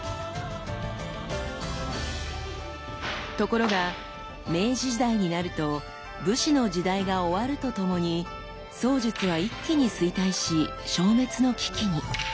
ところが明治時代になると武士の時代が終わるとともに槍術は一気に衰退し消滅の危機に。